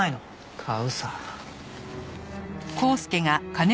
買うさ。